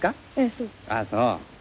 ああそう。